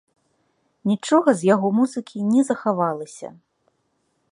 Нічога з яго музыкі не захавалася.